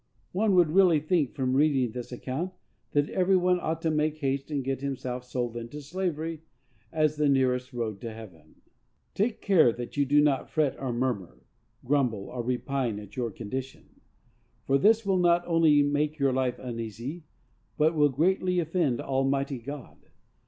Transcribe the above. One would really think, from reading this account, that every one ought to make haste and get himself sold into slavery, as the nearest road to heaven. _Take care that you do not fret or murmur, grumble or repine at your condition; for this will not only make your life uneasy, but will greatly offend Almighty God.